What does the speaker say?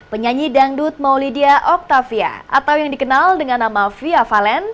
penyanyi dangdut maulidia octavia atau yang dikenal dengan nama fia valen